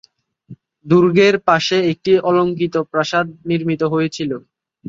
দুর্গের পাশে একটি অলঙ্কৃত প্রাসাদ নির্মিত হয়েছিল।